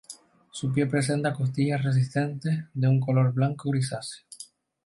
Su pie presenta costillas resistentes de un color blanco grisáceo.